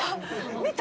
見た？